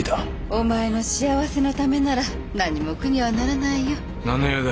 お前の幸せのためなら何も苦にはならないよ。何の用だ？